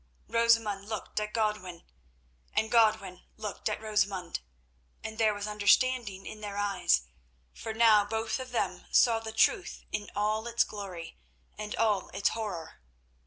Rosamund looked at Godwin, and Godwin looked at Rosamund, and there was understanding in their eyes, for now both of them saw the truth in all its glory and all its horror.